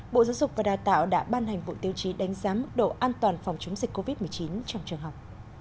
bộ giáo dục và đào tạo đã ban hành bộ tiêu chí đánh giá mức độ an toàn phòng chống dịch covid một mươi chín trong trường học